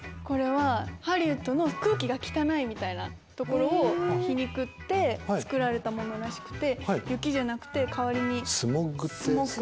これはハリウッドの空気が汚いみたいなところを皮肉って作られたものらしくて雪じゃなくて代わりに。